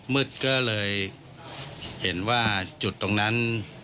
มืดก็เลยเห็นว่าจุดตรงนั้น